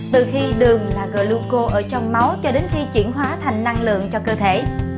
từ khi đường là gluco ở trong máu cho đến khi chuyển hóa thành năng lượng cho cơ thể